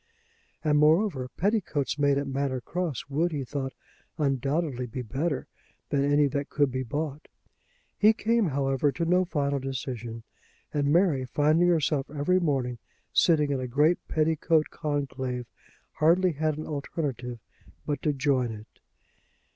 And, moreover, petticoats made at Manor Cross would, he thought, undoubtedly be better than any that could be bought. He came, however, to no final decision; and Mary, finding herself every morning sitting in a great petticoat conclave, hardly had an alternative but to join it.